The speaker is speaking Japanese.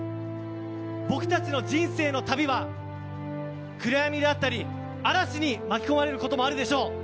僕たちの人生の旅は暗闇であったり嵐に巻き込まれることもあるでしょう。